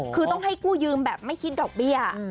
คือต้องให้กู้ยืมแบบไม่คิดดอกเบี้ย